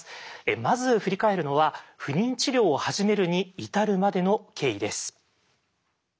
まず振り返るのは不妊治療を始めるに至るまでの経緯です。